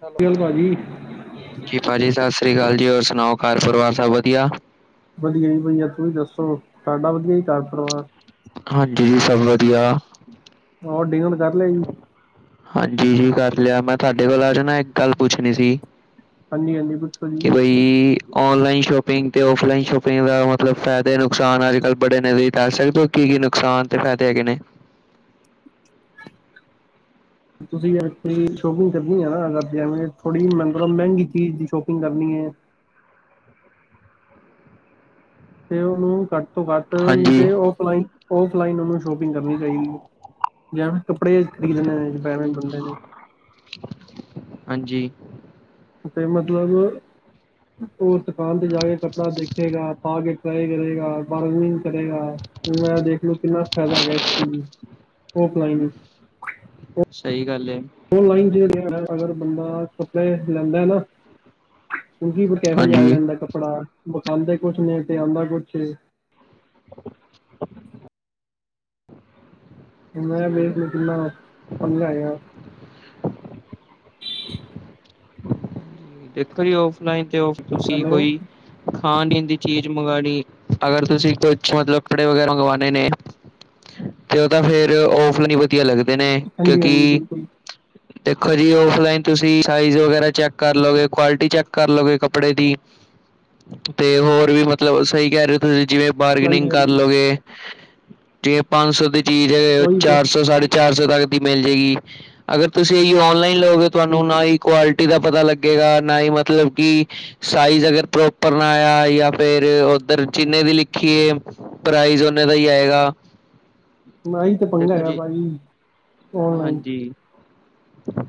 ਸਤਿ ਸ਼੍ਰੀ ਅਕਾਲ ਭਾਜੀ- ਜੀ ਭਾਜੀ ਸਤਿ ਸ੍ਰੀ ਅਕਾਲ ਜੀ। ਹੋਰ ਸੁਣਾਓ ਘਰ ਪਰਿਵਾਰ ਸਭ ਵਧੀਆ। ਵਧੀਆ ਜੀ ਵਧੀਆ ਤੁਸੀ ਦੱਸੋ ਸਾਡਾ ਵਧੀਆ ਹੀ ਘਰ ਪਰਿਵਾਰ। ਹਾਂਜੀ ਜੀ ਸਭ ਵਧੀਆ। ਉਹ ਡੀਨਰ ਕਰ ਲਿਆ ਜੀ- ਹਾਂਜੀ ਜੀ ਕਰ ਲਿਆ। ਮੈ ਤੁਹਾਡੇ ਕੋਲ ਅੱਜ ਨਾ ਇਕ ਗੱਲ ਪੁੱਛਣੀ ਸੀ? ਹਾਂਜੀ -ਹਾਂਜੀ ਪੁੱਛੋ ਜੀ ਕਿ ਆਨਲਾਈਨ ਸ਼ੋਪਿੰਗ ਤੇ ਓਫਲਾਈਨ ਸ਼ੋਪਿੰਗ ਦਾ ਮਤਲਬ ਫਾਇਦੇ ਨੁਕਸਾਨ ਅੱਜ ਕੱਲ ਬੜੇ ਨੇ ਤੁਸੀਂ ਦਸ ਸਕਦੇ ਹੋ ਕੀ -ਕੀ ਨੁਕਸਾਨ ਤੇ ਫਾਇਦੇ ਹੈਗੇ ਨੇ ਤੁਸੀਂ ਐਕਚੁਲੀ ਸ਼ੋਪਿੰਗ ਕਰਨੀ ਹੈ ਨਾ ਥੋੜ੍ਹੀ ਮਤਲਬ ਮਹਿੰਗੀ ਚੀਜ਼ ਦੀ ਸ਼ੋਪਿੰਗ ਕਰਨੀ ਹੈ ਤੇ ਉਹਨੂੰ ਘੱਟ ਤੋਂ ਘੱਟ ਨੀ ਹਾਂਜੀ ਤੇ ਓਫਲਾਈਨ ਓਫ ਲਈਨ ਉਹਨੂੰ ਸ਼ੋਪਿੰਗ ਕਰਨੀ ਚਾਹੀਦੀ ਹੈ ਜਾਂ ਫਿਰ ਕੱਪੜੇ ਖਰੀਦਣੇ ਨੇ ਨਵੇਂ ਬੰਦੇ ਨੇ ਹਾਂਜੀ ਤੇ ਮਤਲਬ ਉਹ ਦੁਕਾਨ ਤੇ ਜਾ ਕੇ ਕੱਪੜਾ ਦੇਖ ਗਾ, ਪਾ ਕੇ ਟ੍ਰਈ ਕਰੇਗਾ, ਬਾਰਿੰਗ ਕਰੇਗਾ। ਮੈਂ ਦੇਖਲੋ ਕਿੰਨਾ ਫ਼ਾਇਦਾ ਹੈਗਾ ਇਸ ਚੀਜ਼ ਨੂੰ, ਔਫਲਾਈਨ। ਸਹੀ ਗੱਲ ਏ। ਓਫਲਾਈਨ ਜੇੜੇ ਅਗਰ ਬੰਦਾ ਕੱਪੜੇ ਲੈਂਦਾ ਨਾ। ਕੇਵੇ ਜਾਂ ਆ ਹਾਂਜੀ ਜਾਂਦਾ ਕੱਪੜਾ, ਵਿਖਾਉਂਦੇ ਕੁਛ ਨੇ ਤੇ ਆਉਂਦਾ ਕੁਛ ਏ। ਮੈਂ ਸਹੀ ਵੇਖ ਗੱਲ ਹੈ ਕਿੰਨਾ ਪੰਗਾਂ ਹੈਗਾ। ਦੇਖੋ ਜੀ ਓਫਲਾਈਨ ਤੇ ਤੁਸੀਂ ਹੈਲੋ ਕੋਈ ਖਾਣ- ਪੀਣ ਦੀ ਚੀਜ਼ ਮੰਗਵਾਉਣੀ। ਅਗਰ ਤੁਸੀਂ ਕੁਛ ਮਤਲਬ ਕੱਪੜੇ ਵਗੈਰਾ ਮੰਗਵਾਉਣੇ ਨੇ। ਤੇ ਉਹ ਫੇਰ, ਓਫਲਾਈਨ ਹੀ ਵਧੀਆ ਲੱਗਦੇ। ਹੁੰਦੇਨੇ, ਹਾਂਜੀ ਹਾਂਜੀ ਕਿਉਂਕਿ ਬਿਲਕੁਲ ਦੇਖੋ ਜੀ ਓਫਲਾਈਨ ਤੁਸੀਂ ਸਾਈਜ਼ ਵਗੈਰਾ ਚੈੱਕ ਕਰ ਲੋਗੇ ਕੁਆਲਿਟੀ ਚੈੱਕ ਕਰਲੋਗੇ ਕੱਪੜੇ ਦੀ। ਤੇ ਹੋਰ ਵੀ ਮਤਲਬ ਸਹੀ ਕਹਿ ਰਹੇ ਹੋ ਤੁਸੀਂ ਜਿਵੇਂ ਹਾਂਜੀ ਬਾਰਗਨਿੰਗ ਹਾਂਜੀ ਕਰਲੋਗੇ, ਜੇ ਪੰਜ ਸੌ ਦੀ ਚੀਜ਼ ਉਹੀ ਤੇ ਚਾਰ ਸੌ ਸਾਰੀ ਚਾਰ ਸੌ ਤੱਕ ਦੀ ਮਿਲ ਜਾਏਗੀ, ਅਗਰ ਤੁਸੀਂ ਇਹੀ ਔਨਲਾਈਨ ਲਓਗੇ ਤੁਹਾਨੂੰ ਨਾ ਹੀ ਬਿਲਕੁਲ ਕੁਆਲਿਟੀ ਦਾ ਪਤਾ ਲੱਗੇ ਲੱਗੇਗਾ ਨਾ ਹੀ ਮਤਲਬ ਕਿ ਸਾਈਜ਼ ਅਗਰ ਪ੍ਰੋਪਰ ਨਾ ਆਇਆ ਜਾਂ ਫਿਰ ਉਓਧਰ ਜਿੰਨ੍ਹੇ ਦੀ ਲਿਖੀਏ। ਪ੍ਰਾਈਜ਼ ਓਨੇ ਦਾ ਹੀ ਆਏਗਾ। ਮਹੀ ਤੇ ਪੰਗਾ ਦੇਖੋ ਹੈ ਜੀ ਭਾਜੀ, ਓਨਲਾਈਨ, ਹਾਂਜੀ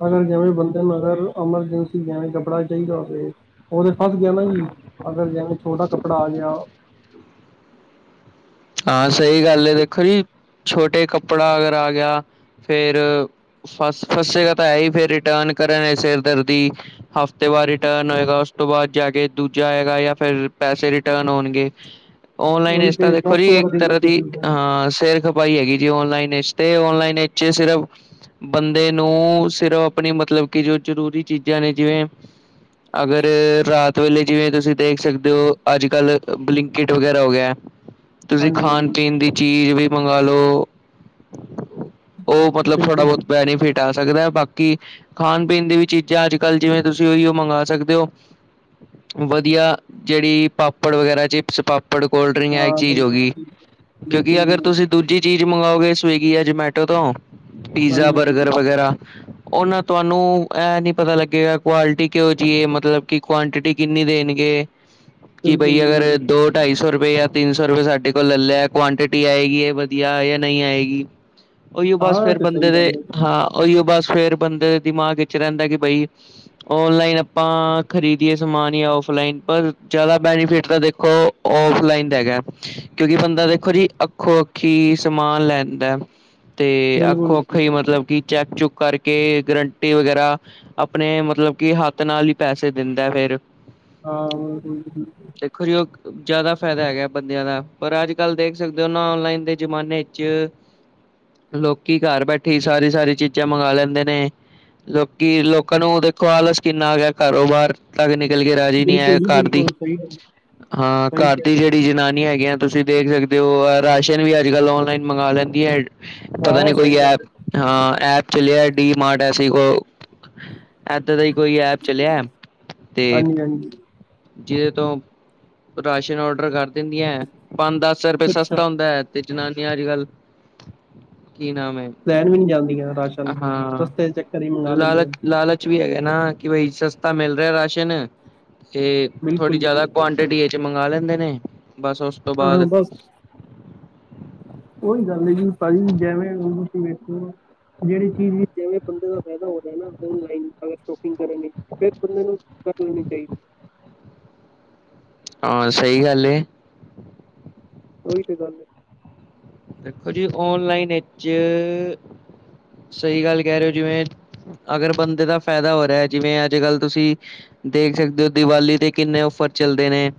ਅਗਰ ਜਿਵੇਂ ਬੰ ਮਗਰ ਐਮਰਜੈਂਸੀ ਜੇਵੇ ਕਪੜਾ ਚਾਹੀਦਾ ਹੋਵੇ। ਉਹਤੇ ਫੱਸ ਗਿਆ ਨਾ ਜੀ, ਅਗਰ ਜਿਵੇਂ ਛੋਟਾ ਕੱਪੜਾ ਆ ਗਿਆ। ਹਾਂ ਸਹੀ ਗੱਲ ਹੈ ਦੇਖੋ ਜੀ, ਛੋਟੇ ਕੱਪੜਾ ਅਗਰ ਆ ਗਿਆ ਫੇਰ ਫਸ -ਫਸ ਗ੍ਹਾ ਤਾਂ ਹੈ ਹੀ ਫੇਰ ਰਿਟਰਨ ਕਰਨ ਚ' ਸਿਰ ਦਰਦੀ। ਹਫ਼ਤੇ ਬਾਰ ਰਿਟਰਨ ਹੋਏਗਾ ਉਸ ਤੋਂ ਬਾਅਦ ਜਾ ਕੇ ਦੂਜਾ ਆਏਗਾ ਜਾਂ ਫਿਰ ਪੈਸੇ ਰਿਟਰਨ ਹੋਣਗੇ। [inaudible] ਔਨਲਾਈਨ ਉਹੀ ਚ' ਤਾਂ ਤੇ ਦੇਖੋ ਦਸ ਜੀ ਇੱਕ ਪੰਦਰਾਂ ਦਿਨ ਦਾ ਤਰ੍ਹਾਂ ਦੀ ਪ੍ਰੋਸੀਜਰ ਹਾਂ। ਹੈ ਹਾਂ, ਸਿਰ ਖਪਾਈ ਹੈਗੀ ਜੀ ਔਨਲਾਈਨ ਵਿਚ ਤੇ ਔਨਲਾਈਨ ਵਿੱਚ ਸਿਰਫ ਬੰਦੇ ਨੂੰ ਸਿਰਫ ਆਪਣੀ ਮਤਲਬ ਕਿ ਜੋ ਜ਼ਰੂਰੀ ਚੀਜ਼ਾਂ ਨੇ ਜਿਵੇਂ ਅਗਰ ਰਾਤ ਵੇਲੇ ਜਿਵੇਂ ਤੁਸੀਂ ਦੇਖ ਸਕਦੇ ਹੋ ਅੱਜ ਕੱਲ ਬਲਿੰਕਟ ਵਗੈਰਾ ਹੋ ਗਿਆ। ਤੁਸੀਂ ਹਾਂਜੀ ਹਾਂਜੀ ਖਾਣ- ਪੀਣ ਦੀ ਚੀਜ਼ ਵੀ ਮੰਗਾਲਓ। ਉਹ ਮਤਲਬ ਥੋੜਾ- ਬਿਲਕੁਲ ਜੀ ਬਹੁਤ ਬੈਨੀਫਿਟ ਟਾ ਸਕਦਾ ਬਾਕੀ, ਖਾਣ- ਪੀਣ ਦੀ ਵੀ ਚੀਜ਼ਾਂ ਅੱਜ ਕੱਲ ਜਿਵੇਂ ਤੁਸੀਂ ਉਹੀਓ ਮੰਗਵਾ ਸਕਦੇ ਹੋ। ਵਧੀਆ, ਜਿਹੜੀ ਪਾਪੜ ਵਗੈਰਾ ਚਿਪਸ, ਪਾਪੜ, ਕੋਲਡ ਡਰਿੰਕ ਹੈ ਹਾਂ ਚੀਜ਼ ਹੋ ਬਿਲਕੁਲ ਗਈ। ਬਿਲਕੁਲ ਕਿਉਂਕਿ ਅਗਰ ਬਿਲਕੁਲ ਤੁਸੀਂ ਦੂਜੀ ਚੀਜ਼ ਮੰਗਓਗੇ ਸਵੀਗੀ ਜਾਂ ਜਮੈਟੋ ਤੋਂ ਪੀਜ਼ਾ, ਹਾਂਜੀ ਹਾਂਜੀ ਬਰਗਰ ਵਗੈਰਾ ਉਹਨਾਂ ਤੁਹਾਨੂੰ, ਇਹ ਨਹੀਂ ਪਤਾ ਲੱਗੇਗਾ ਕੁਆਲਿਟੀ ਕਿਹੋ ਜਿਹੀ ਹੈ, ਮਤਲਬ ਕਿ ਕੁਆਂਆਂਟਿਟੀ ਕਿੰਨੀ ਦੇਣਗੇ। [inaudible] ਕਿ ਬਈ ਜੀ ਅਗਰ ਹਾਂਜੀ। ਦੋ ਢਾਈ ਸੌ ਰੁਪਏ ਜਾਂ ਤਿੰਨ ਸੌ ਰੁਪਏ ਸਾਡੇ ਕੋਲ ਲੈ ਲਿਆ ਕੁਆਂਟਿਟੀ ਆਏਗੀ ਵਧੀਆ ਜਾਂ ਨਹੀਂ ਆਏਗੀ। ਉਹੀਓ ਬਸ ਹਾਂ ਫੇਿੜਰ ਤੇ ਸਹੀ ਬੰਦੇ ਦੇ ਗੱਲ ਹੈ ਜੀ। ਹਾਂ, ਉਹੀਓ ਬਸ ਫੇਰ ਬੰਦੇ ਦੇ ਦਿਮਾਗ ਵਿੱਚ ਰਹਿੰਦਾ ਕਿ ਬਈ ਔਨਲਾਈਨ ਆਪਾਂ, ਖ਼ਰੀਦੀਏ ਸਮਾਨ ਜਾਂ ਔਫਲਾਈਨ ਪਰ ਜ਼ਿਆਦਾ ਬੈਨੀਫਿਟ ਤਾਂ ਦੇਖੋ ਔਫਲਾਈਨ ਹੈਗਾ। ਕਿਉਂਕਿ ਬੰਦਾ ਦੇਖੋ ਜੀ ਅੱਖੋ- ਅੱਖੀ ਸਮਾਨ ਲੈਂਦਾ। ਤੇ ਬਿਲਕੁਲ ਅੱਖੋ- ਜੀ। ਅੱਖੋ ਹੀ ਮਤਲਬ ਕਿ ਚੈੱਕ -ਚੁੱਕ ਕਰਕੇ ਗਰੰਟੀ ਵਗੈਰਾ ਆਪਣੇ ਮਤਲਬ ਕਿ, ਹੱਥ ਨਾਲ ਹੀ ਪੈਸੇ ਦਿੰਦਾ ਫੇਰ। ਆਂ ਦੇਖੋ ਜੀ ਉਹ ਜ਼ਿਆਦਾ ਫਾਇਦਾ ਹੈਗਾ ਬੰਦਿਆਂ ਦਾ, ਪਰ ਅੱਜ ਕੱਲ੍ਹ ਦੇਖ ਸਕਦੇ ਹੋ, ਨਾ ਔਨਲਾਈਨ ਦੇ ਜ਼ਮਾਨੇ ਚ ਲੋਕੀ ਘਰ ਬੈਠੇ ਹੀ ਸਾਰੀ ਸਾਰੀ ਚੀਜ਼ਾਂ ਮੰਗਵਾ ਲੈਂਦੇ ਨੇ। ਲੋਕੀ ਲੋਕਾਂ ਨੂੰ ਦੇਖੋ ਆਲਸ ਕਿੰਨਾ ਗਿਆ ਕਾਰੋਬਾਰ ਤੱਕ ਨਿਕਲ ਕੇ ਰਾਜੀ ਨਹੀਂ ਬਿਲਕੁਲ ਆਇਆ ਜੀ ਘਰ ਦੀ। ਬਿਲਕੁਲ ਸਹੀ ਗੱਲ ਹਾਂ ਸਹੀ ਘਰ ਕਹਿ ਦੀ ਰਹੇ ਜ ਦੀ ਹੋ। ਜਨਾਨੀ ਹੈਗੀ ਆ। ਤੁਸੀਂ ਦੇਖ ਸਕਦੇ ਹੋ ਰਾਸ਼ਨ ਵੀ ਅੱਜ ਕੱਲ ਔਨਲਾਈਨ ਮੰਗਵਾ ਲੈਂਦੀ ਹੈ। ਪਤਾ ਹਾਂ ਨਹੀਂ ਕੋਈ ਸਹੀ ਗੱਲ ਐਪ ਹੈ ਹਾਂ ਐਪ ਚੱਲਿਆ ਡੀ ਮਾਰਟ ਐਸੇ ਕੋ ਇਦਾਂ ਦਾ ਹੀ ਕੋਈ ਐਪ ਚਲਿਆ ਤੇ ਹਾਂਜੀ ਹਾਂਜੀ ਜਿਹਦੇ ਤੋਂ ਰਾਸ਼ਨ ਔਡਰ ਕਰ ਦਿੰਦੀਆਂ ਪੰਜ ਦਸ ਦਸ ਰਪਏ ਅੱਛਾ ਸਸਤਾ ਹੁੰਦਾ ਹੈ। ਤੇ ਜਨਾਨੀਆਂ ਅੱਜ ਕੱਲ ਕੀ ਨਾਮ ਹੈ ਲੈਣ ਵੀ ਨਹੀਂ ਜਾਂਦੀਆਂ ਰਾਸ਼ਨ ਸਸਤੇ ਚੱਕਰ ਹੀ ਮੰਗਵਾ ਲੈਂਦੀਆਂ ਕੁਛ ਵੀ ਹੈਗਾ ਨਾ ਕਿ ਬਈ ਸਸਤਾ ਮਿਲ ਰਿਹਾ ਰਾਸ਼ਨ ਤੇ ਬਿਲਕੁਲ ਥੋੜ੍ਹੀ ਜੀ ਜਿਆਦਾ ਬਿਲਕੁਲ ਕੁਆਂਟਿਟੀ ਮੰਗਵਾ ਲੈਂਦੇ ਨੇ। ਬਸ ਉਸ ਤੋਂ ਹਾਂ ਬਾਅਦ ਬਸ ਉਹੀ ਗੱਲ ਹੈਗੀ ਭਾਜੀ ਜਿਵੇਂ ਤੁਸੀਂ ਵੇਖੋ ਜਿਹੜੀ ਚੀਜ਼ ਵੀ ਜਿਵੇਂ ਬੰਦੇ ਦਾ ਫਾਇਦਾ ਹੋ ਜਾਣਾ ਔਨਲਾਈਨ ਅਗਰ ਸ਼ੋਪਿੰਗ ਕਰਨ ਲਈ ਫਿਰ ਬੰਦੇ ਨੂੰ ਕਰ ਲੈਣੀ ਚਾਹੀਦੀ ਹੈ ਹਾਂ ਸਹੀ ਗੱਲ ਏ ਉਹੀ ਤੇ ਗੱਲ ਹੈ ਦੇਖੋ ਜੀ ਓਨਲਾਈਨ ਵਿੱਚ ਸਹੀ ਗੱਲ ਕਹਿ ਰਹੇ ਹੋ ਜਿਵੇਂ ਅਗਰ ਬੰਦੇ ਦਾ ਫਾਇਦਾ ਹੋ ਰਿਹਾ ਜਿਵੇਂ ਅੱਜ ਕੱਲ੍ਹ ਤੁਸੀਂ ਦੇਖ ਸਕਦੇ ਹੋ ਦੀਵਾਲੀ ਤੇ ਕਿੰਨੇ ਔਫਰ ਚੱਲਦੇ ਨੇ।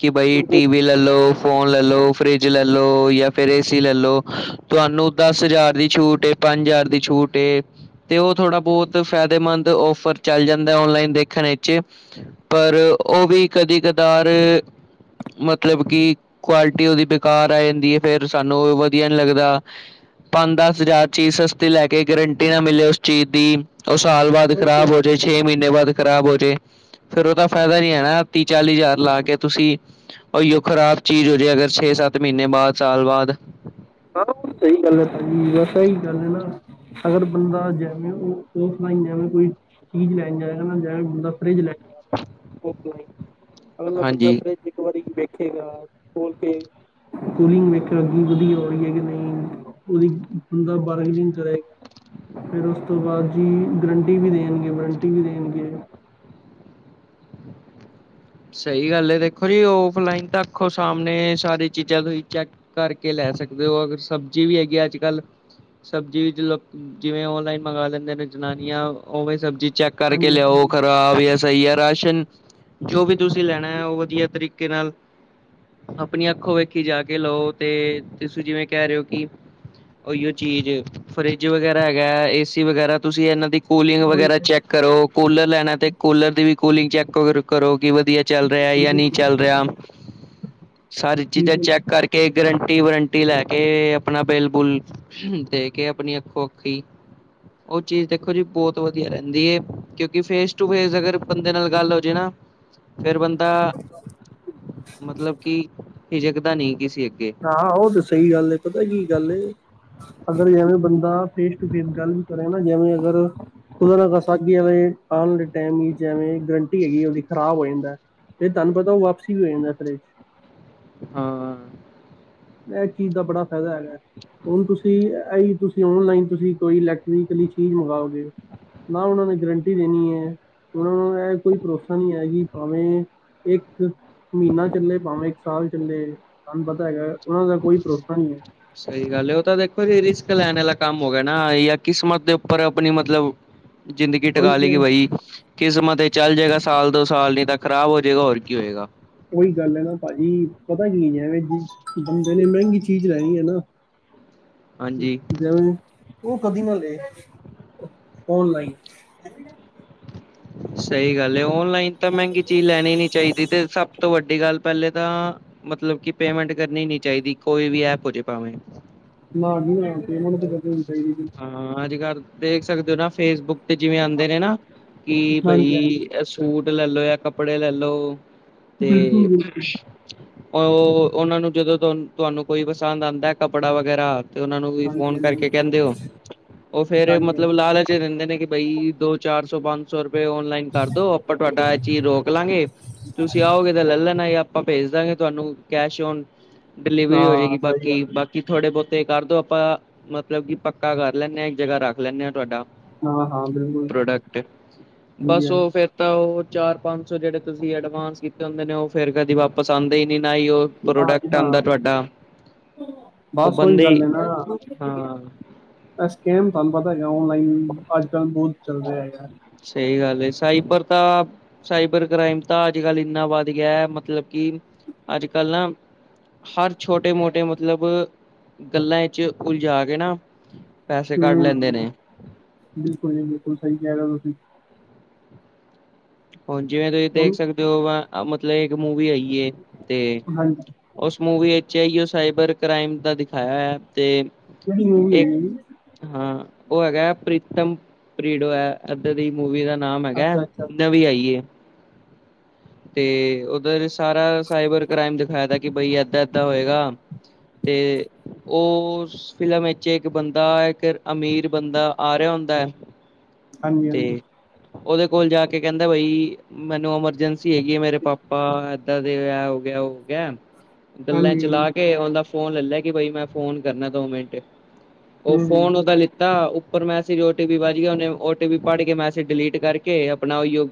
ਕਿ ਬਾਈ ਟੀ ਵੀ ਲੈ ਲੋ, ਫੋਨ ਲੈ ਲੋ, ਫਰਿਜ ਲੈ ਲੋ, ਜਾਂ ਫਿਰ ਏ ਸੀ ਲੈ ਲੋ ਤੁਹਾਨੂੰ ਦਸ ਹਜ਼ਾਰ ਦੀ ਛੂਟ ਏ ਪੰਜ ਹਜ਼ਾਰ ਦੀ ਛੂਟ ਏ ਤੇ ਉਹ ਥੋੜਾ ਬਹੁਤ ਫਾਇਦੇਮੰਦ ਫੇਰ ਔਫਰ ਚੱਲ ਜਾਂਦਾ ਓਨਲਾਈਨ ਦੇਖਣ ਵਿਚ ਪਰ ਉਹ ਵੀ ਕਦੇ ਕਦਾਰ ਮਤਲਬ ਕਿ ਕੁਆਲਿਟੀ ਉਹਦੀ ਬੇਕਾਰ ਆ ਜਾਂਦੀ ਹੈ। ਫੇਰ ਸਾਨੂੰ ਵਧੀਆ ਨੀ ਲੱਗਦਾ। ਪੰਜ ਦਸ ਹਜ਼ਾਰ ਚੀਜ਼ ਸਸਤੀ ਲੈ ਕੇ ਗਰੰਟੀ ਨਾ ਮਿਲੇ ਉਸ ਚੀਜ਼ ਦੀ ਉਹ ਸਾਲ ਬਾਅਦ ਹੈ ਖ਼ਰਾਬ ਹੋ ਜਾਏ ਛੇ ਮਹੀਨੇ ਬਾਅਦ ਖ਼ਰਾਬ ਹੋ ਜਾਏ ਫੇਰ ਉਹਦਾ ਫਾਇਦਾ ਨੀ ਹੈ ਨਾ ਤੀਹ ਚਾਲੀ ਹਜ਼ਾਰ ਲਾ ਕੇ ਤੁਸੀਂ ਖ਼ਰਾਬ ਚੀਜ਼ ਹੋ ਜਾਂਦੇ ਅਗਰ ਛੇ ਸੱਤ ਮਹੀਨੇ ਬਾਅਦ ਸਾਲ ਬਾਅਦ ਆਹ ਸਹੀ ਗੱਲ ਹੈ ਭਾਜੀ ਬਸ ਸਹੀ ਗੱਲ ਹੈ ਨਾ ਅਗਰ ਬੰਦਾ ਜਿਵੇ ਔਫਲਾਨ ਜਿਵੇਂ ਕੋਈ ਚੀਜ਼ ਲੈਣ ਜਾਏ ਜਾਂ ਨਾ ਜਾਏ ਬੰਦਾ ਫਰਿੱਜ ਲੈਣ ਜਾ ਰਿਹਾ ਓਲਾਈਨ ਅਗਲਾ ਬੰਦਾ ਹਾਂਜੀ ਫਰਿੱਜ ਇੱਕ ਵਾਰੀ ਵੇਖੇਗਾ ਖੋਲ ਕੇ ਕੂਲਿੰਗ ਵੇਖ ਵਧੀਆ ਹੋ ਕਿ ਨਹੀਂ ਉਹਦੀ ਬੰਦਾ ਬਾਰਗੇਨਿੰਗ ਕਰੇ ਫਿਰ ਉਸ ਤੋਂ ਬਾਅਦ ਜੀ ਗਰੰਟੀ ਵੀ ਦੇਣਗੇ ਵਰੰਟੀ ਵੀ ਦੇਣਗੇ ਸਹੀ ਗੱਲ ਹੈ ਦੇਖੋ ਜੀ ਔਫਲਾਈਨ ਤੱਕ ਸਾਹਮਣੇ ਸਾਰੀ ਚੀਜ਼ਾਂ ਤੁਸੀਂ ਚੈੱਕ ਕਰਕੇ ਲੈ ਸਕਦੇ ਹੋ ਅਗਰ ਸਬਜ਼ੀ ਵੀ ਹੈਗੀ ਅੱਜ ਕੱਲ੍ਹ ਸਬਜ਼ੀ ਜਿਵੇਂ ਓਨਲਾਈਨ ਮੰਗਵਾ ਲੈਂਦੇ ਨੇ ਜਨਾਨੀਆਂ ਉਵੇ ਸਬਜ਼ੀ ਚੈੱਕ ਕਰਕੇ ਹਾਂਜੀ ਲਿਆਓ ਹਾਂਜੀ ਖਰਾਬ ਜਾਂ ਸਹੀ ਹੈ ਰਾਸ਼ਨ ਜੋ ਵੀ ਤੁਸੀਂ ਲੈਣਾ ਹੈ ਉਹ ਵਧੀਆ ਤਰੀਕੇ ਨਾਲ ਆਪਣੀ ਅੱਖੋ ਵੇਖੀ ਜਾ ਕੇ ਲਓ ਤੇ ਤੁਸੀਂ ਜਿਵੇਂ ਕਹਿ ਰਹੇ ਹੋ ਕਿ ਉਹੀ ਚੀਜ਼ ਫਰਿੱਜ ਵਗੈਰਾ ਹੈਗਾ, ਏਸੀ ਵਗੈਰਾ ਤੁਸੀਂ ਇਹਨਾਂ ਦੀ ਕੂਲਿੰਗ ਉਹੀ ਵਗੈਰਾ ਤਾਂ, ਚੈੱਕ ਕਰੋ। ਕੂਲਰ ਲੈਣਾ ਤੇ ਕੂਲਰ ਦੀ ਵੀ ਕੂਲਿੰਗ ਚੈੱਕ ਕਰੋ ਕਿ ਵਧੀਆ ਚੱਲ ਰਿਹਾ ਬਿਲਕੁਲ ਜਾਂ ਜੀ ਨਹੀਂ ਚੱਲ ਰਿਹਾ ਸਾਰੀ ਚੀਜ਼ਾਂ ਬਿਲਕੁਲ। ਚੈੱਕ ਕਰਕੇ ਕੇ ਗਰੰਟੀ ਵਰੰਟੀ ਲੈ ਕੇ ਆਪਣਾ ਬਿਲ ਬੁਲ ਦੇ ਕੇ ਆਪਣੀ ਅੱਖੋ ਅੱਖੀ, ਉਹ ਚੀਜ਼ ਦੇਖੋ ਜੀ ਬਹੁਤ ਵਧੀਆ ਰਹਿੰਦੀ ਏ ਕਿਉਂਕਿ ਫੇਸ ਟੂ ਫੇਸ ਅਗਰ ਬੰਦੇ ਨਾਲ ਗੱਲ ਹੋ ਜਾਏ ਨਾ ਫੇਰ ਬੰਦਾ, ਮਤਲਬ ਕਿ, ਹਿਜਕਦਾ ਨਹੀਂ ਕਿਸੇ ਅੱਗੇ। ਹਾਂ, ਉਹ ਤੇ ਸਹੀ ਗੱਲ ਹੈ। ਪਤਾ ਕੀ ਗੱਲ ਅਗਰ, ਜਿਵੇਂ ਬੰਦਾ ਫੇਸ ਟੂ ਫੇਸ ਗੱਲ ਵੀ ਕਰੇ ਨਾ। ਜਿਵੇਂ ਅਗਰ ਖੁਦਾ ਨਾ ਕਰਦਾ, ਆਉਣ ਵਾਲੇ ਟਾਈਮ ਜਿਵੇਂ ਗਰੰਟੀ ਹੈਗੀ, ਉਹਦੀ ਖ਼ਰਾਬ ਹੋ ਜਾਂਦਾ। ਫਿਰ ਤੁਹਾਨੂੰ ਪਤਾ ਉਹ ਵਾਪਸੀ ਵੀ ਹੋ ਜਾਂਦਾ ਏਹਤਰਾ। ਹਾਂ ਇਹ ਚੀਜ਼ ਦਾ ਬੜਾ ਫਾਇਦਾ ਹੈਗਾ, ਹੁਣ ਤੁਸੀਂ ਇ ਤੁਸੀਂ ਓਨਲਾਈਨ ਤੁਸੀਂ ਕੋਈ ਇਲੈਕਟ੍ਰਲੀ ਚੀਜ਼ ਮੰਗਓਗੇ। ਨਾ ਉਹਨਾਂ ਨੇ ਗਰੰਟੀ ਦੇਣੀ ਹੈ। ਉਹਨਾਂ ਨੂੰ ਇਹ ਕੋਈ ਭਰੋਸਾ ਨਹੀ ਹੈਗੀ ਭਾਵੇਂ, ਇੱਕ ਮਹੀਨਾ ਚੱਲੇ ਭਾਵੇਂ ਇੱਕ ਸਾਲ ਚੱਲੇ, ਸਹਾਨੂੰ ਪਤਾ ਹੈਗਾ। ਉਹਨਾਂ ਦਾ ਕੋਈ ਭਰੋਸਾ ਨਹੀਂ ਹੈ। ਸਹੀ ਗੱਲ ਹੈ। ਉਹ ਤਾਂ ਦੇਖੋ ਜੀ ਰਿਸਕ ਲੈਣ ਵਾਲਾ ਕੰਮ ਹੋ ਗਿਆ ਨਾ, ਜਾਂ ਕਿਸਮਤ ਦੇ ਉੱਪਰ ਆਪਣੀ ਮਤਲਬ ਜ਼ਿੰਦਗੀ ਉਹੀ ਟਕਾ ਤੇ ਲਗੀ ਬਈ। ਕਿਸਮਤ ਚੱਲ ਜਾਏਗਾ, ਸਾਲ ਦੋ ਸਾਲ ਨੀ ਤਾਂ ਖ਼ਰਾਬ ਹੋ ਜਾਏਗਾ। ਹੋਰ ਕੀ ਹੋਏਗਾ ਉਹੀ ਗੱਲ ਹੈ ਨਾ ਭਾਜੀ, ਪਤਾ ਕੀ ਨਹੀਂ ਐਵੇਂ ਬੰਦੇ ਨੇ ਮਹਿੰਗੀ ਚੀਜ਼ ਲੈਣੀ ਹੈ। ਨਾ ਹਾਂਜੀ ਜਵੇ, ਉਹ ਕਦੀ ਨਾ ਲਏ, ਓਨਲਾਈਨ। ਸਹੀ ਗੱਲ ਹੈ। ਓਨਲਾਈਨ ਤਾਂ ਮਹਿੰਗੀ ਚੀਜ਼ ਲੈਣੀ ਨੀ ਚਾਹੀਦੀ, ਤੇ ਸਭ ਤੋਂ ਵੱਡੀ ਸਾਡੀ ਗੱਲ ਪਹਿਲੇ ਤਾਂ, ਮਤਲਬ ਕਿ ਪੇਮੈਂਟ ਕਰਨੀ ਨੀ ਚਾਹੀਦੀ। ਕੋਈ ਵੀ ਐਪ ਹੋ ਜਾਏ ਭਾਵੇਂ, ਨਾ ਜੀ ਪੇਂਮਟ ਤੇ ਹੋਣੀ ਚਾਹੀਦੀ ਜੀ ਹਾਂ ਅੱਜ- ਕੱਲ ਦੇਖ ਸਕਦੇ ਹੋ ਨਾ ਫੇਸਬੁੱਕ ਤੇ ਜਿਵੇਂ ਆਉਂਦੇ ਨੇ ਨਾ, ਕਿ ਬਈ ਹਾਂਜੀ ਹਾਂਜੀ ਏਹ ਸੂਟ ਲੈਲੋ ਜਾਂ ਕੱਪੜੇ ਲੈਲੋ, ਤੇ ਬਿਲਕੁਲ ਬਿਲਕੁਲ ਉਹ, ਉਹਨਾਂ ਨੂੰ ਜਦੋਂ ਤੁਹਾਨੂੰ, ਤੁਹਾਨੂੰ ਕੋਈ ਪਸੰਦ ਆਉਂਦਾ ਕੱਪੜਾ ਵਗੈਰਾ ਤੇ ਉਹਨਾ ਨੂੰ ਵੀ ਹਾਂਜੀ ਫੋਨ ਹਾਂਜੀ ਕਰਕੇ ਹਾਂਜੀ ਕਹਿੰਦੇ ਹੋ [inaudible] ਉਹ ਫੇਰ ਮਤਲਬ ਹਾਂਜੀ ਲਾਲਚੇ ਦਿੰਦੇ ਨੇ ਕਿ ਬਈ ਦੋ ਚਾਰ ਸੌ ਪੰਜ ਸੌ ਰੁਪਏ ਓਨਲਾਈਨ ਕਰ ਦੋ ਆਪਾਂ ਤੁਹਾਡਾ ਇਹ ਚੀਜ਼ ਰੋਕ ਲਾਂਗੇ ਤੁਸੀਂ ਆਓਗੇ ਤਾਂ ਲੈ ਲੈਣਾ ਹੀ ਆਪਾਂ ਭੇਜ ਦਾਂਗੇ ਤੁਹਾਨੂੰ ਕੈਸ਼ ਓਨ ਡਿਲੀਵਰੀ ਹੋ ਹਾਂ ਜਾਏਗੀ ਸਹੀ ਬਾਕੀ, ਗੱਲ ਹੈ ਬਾਕੀ ਕਿ ਥੋੜੇ ਬਹੁਤੇ ਕਰਦੋ ਆਪਾਂ, ਮਤਲਬ ਕਿ ਪੱਕਾ ਕਰ ਲੈਂਦੇ ਹਾਂ ਇੱਕ ਜਗ੍ਹਾ ਰੱਖ ਲੈਂਦੇ ਹਾਂ ਤੁਹਾਡਾ ਹਾਂ ਹਾਂ ਬਿਲਕੁਲ ਪ੍ਰੋਡਕਟ, ਹਾਂਜੀ ਬਸ ਉਹ ਹਾਂਜੀ ਫਿਰ ਤਾਂ ਉਹ ਚਾਰ ਪੰਜ ਸੌ ਜਿਹੜੇ ਤੁਸੀਂ ਐਡਵਾਂਸ ਕੀਤੇ ਹੁੰਦੇ ਨੇ ਉਹ ਫਿਰ ਕਦੇ ਵਾਪਸ ਆਉਂਦੇ ਹੀ ਨਹੀਂ ਨਾ ਹੀ ਉਹ ਨਾ ਜੀ ਪ੍ਰੋਡਕਟ ਨਾ, ਆਉਂਦਾ ਤੁਹਾਡਾ ਉਹ ਬਸ ਉਹੀ ਬੰਦੇ ਹੀ ਗੱਲ ਨਾ ਹਾਂ ਸਕਹਿਮ ਤੁਹਾਨੂੰ ਪਤਾ ਔਨਲਾਈਨ, ਅੱਜ ਕੱਲ੍ਹ ਬਹੁਤ ਚੱਲ ਰਿਹਾ ਹੈਗਾ ਸਹੀ ਗੱਲ, ਸਾਇਬਰ ਤਾਂ ਸਾਈਬਰ ਕ੍ਰਾਈਮ ਤਾਂ ਅੱਜ ਕੱਲ੍ਹ ਇੰਨਾ ਵੱਧ ਗਿਆ ਮਤਲਬ ਕਿ, ਅੱਜ- ਕੱਲ੍ਹ ਨਾ ਹਰ ਛੋਟੇ ਮੋਟੇ ਮਤਲਬ, ਗੱਲਾਂ ਵਿੱਚ ਉਲਝਾ ਕੇ ਨਾ- ਪੈਸੇ ਹ, ਕੱਢ ਲੈਂਦੇ ਨੇ ਬਿਲਕੁਲ ਜੀ ਬਿਲਕੁਲ ਸਹੀ ਕਹਿ ਰਹੇ ਹੋ ਤੁਸੀਂ ਹੁਣ ਜਿਵੇਂ ਤੁਸੀਂ ਦੇਖ ਸਕਦੇ ਹੋ, ਮਤਲਬ ਇੱਕ ਮੂਵੀ ਆਈਏ ਤੇ ਹਾਂਜੀ ਉਸ ਮੂਵੀ ਵਿੱਚ ਇਹੀਓ ਸਾਈਬਰ ਕ੍ਰਾਈਮ ਦਾ ਦਿਖਾਇਆ ਹੋਇਆ ਤੇ, ਕਿਹੜੀ ਮੂਵੀ ਇੱਕ ਹੈਗੀ ਜੀ ਹਾਂ, ਉਹ ਹੈਗਾ ਹੈ ਪ੍ਰੀਤਮ ਪਰੀਵੇੜ ਹੈ ਏਧਾਂ ਦੀ ਮੂਵੀ ਦਾ ਨਾਮ ਹੈਗਾ, ਅੱਛਾ ਅੱਛਾ ਨਵੀਂ ਆਈਏ ਤੇ ਉਦਰ ਸਾਰਾ ਸਾਹਿਬਰ ਕ੍ਰਾਈਮ ਦਿਖਾਇਆ ਦਾ ਕਿ ਬਈ ਇਦਾਂ ਇਦਾਂ ਹੋਏਗਾ ਤੇ ਉਸ, ਫਿਲਮ ਵਿੱਚ ਇੱਕ ਬੰਦਾ ਇੱਕ ਅਮੀਰ ਬੰਦਾ ਆ ਰਿਹਾ ਹੁੰਦਾ ਹੈ ਹਾਂਜੀ ਹਾਂਜੀ ਤੇ ਉਹਦੇ ਕੋਲ ਜਾ ਕੇ ਕਹਿੰਦਾ ਬਈ ਮੈਨੂੰ ਇਮਰਜਂਸੀ ਹੈਗੀ ਮੇਰੇ ਹਾਂਜੀ ਪਾਪਾ ਇਦਾਂ ਦੇ ਇਹ ਹੋ ਗਿਆ ਉਹ ਹੋ ਗਿਆ ਗੱਲਾਂ ਹਾਂਜੀ ਚਲਾ ਲਾ ਹੂੰ ਕੇ ਲਾ ਕੇ ਉਹਦਾ ਫੋਨ ਲੈ ਕਿ ਬਈ ਮੈਂ ਫੋਨ ਕਰਨਾ ਦੋ ਮਿੰਟ ਉਹ ਹੂੰ ਫੋਨ ਉਹਦਾ ਲਿੱਤਾ ਔਰ ਵੈਸੇ ਵੀ ਓਟੀਪੀ ਵੱਜ ਗਿਆ ਉਹਨੇ ਓਟੀਪੀ ਪੜ੍ਹ ਕੇ ਮੈਸੇਜ ਡਿਲੀਟ ਕਰਕੇ ਆਪਣਾ ਉਹੀ ਉ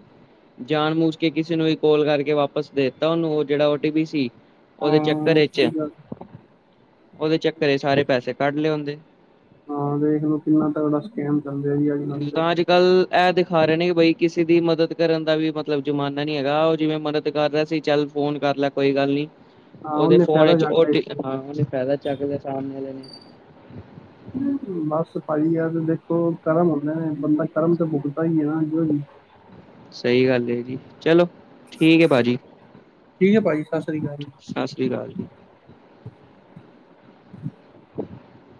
ਜਾਣ ਬੁੱਝ ਕੇ ਕਿਸੇ ਨੂੰ ਵੀ ਕੋਲ ਕਰਕੇ ਵਾਪਸ ਦੇਤਾ ਉਹਨੂੰ ਉਹ ਜਿਹੜਾ ਓਟੀ ਪੀ ਸੀ। ਉਹਦੇ ਹਾਂ ਚੱਕਰ ਚ ਸਹੀ ਗੱਲ ਉਹਦੇ ਚੱਕਰ ਸਾਰੇ ਪੈਸੇ ਕੱਢ ਲਏ ਉਹਦੇ। ਹਾਂ ਵਖ ਲਉ ਕਿੰਨਾ ਤਗੜਾ ਸਕੈਮ ਚੱਲਦਾ ਅੱਜ ਕੱਲ ਤੇ ਗੱਲ ਇਹ ਦਿਖਾ ਰਹੇ ਨੇ ਬਈ ਕਿਸੇ ਦੀ ਮਦਦ ਕਰਨ ਦਾ ਵੀ ਮਤਲਬ ਜ਼ਮਾਨਾ, ਜਮਾਨਾ ਨੀ ਹੈਗਾ ਉਹ ਜਿਵੇਂ ਮਦਦ ਕਰ ਰਿਹਾ ਸੀ ਚੱਲ ਫੋਨ ਕਰ ਲੈ ਕੋਈ ਗੱਲ ਨੀ, ਹਾਂ ਉਹਦੇ ਉਹਨੇ ਫੋਨ ਫਾਇਦਾ ਵਿੱਚ ਉ ਚੱਕਦਾ ਟੀ ਹਾਂ ਉਹਨੇ ਫਾਇਦਾ ਚੱਕ ਲਿਆ ਸਾਹਮਣੇ ਵਾਲੇ ਨੇ। ਬਸ ਪਾਈ ਆ ਤੇ ਦੇਖੋ ਕਰਮ ਹੁੰਦੇ ਨੇ ਬੰਦਾ ਕਰਮ ਤੇ ਭੁਗਤਦਾ ਹੀ ਈ ਹੈ ਨਾ ਜੀ। ਸਹੀ ਗੱਲ ਹੈ ਜੀ ਚਲੋ। ਠੀਕ ਹੈ ਭਾਜੀ ਠੀਕ ਹੈ ਭਾਜੀ, ਸਤਿ ਸ੍ਰੀ ਅਕਾਲ। ਸਤਿ ਸ੍ਰੀ ਅਕਾਲ।